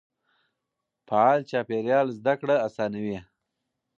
فعال چاپېريال زده کړه اسانوي.